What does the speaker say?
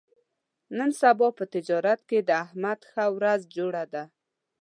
نن سبا په تجارت کې د احمد ښه ورځ جوړه ده.